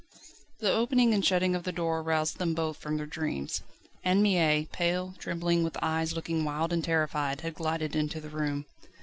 The opening and shutting of the door roused them both from their dreams. Anne Mie, pale, trembling, with eyes looking wild and terrified, had glided into the room.